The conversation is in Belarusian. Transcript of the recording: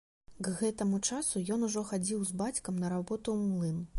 К гэтаму часу ён ужо хадзіў з бацькам на работу ў млын.